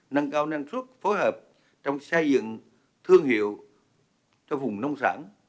nâng cao năng suất phối hợp trong xây dựng thương hiệu cho vùng nông sản